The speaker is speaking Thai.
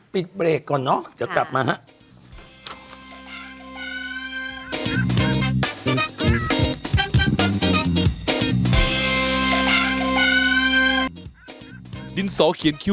ปิดเบรกก่อนเนอะเดี๋ยวกลับมาฮะ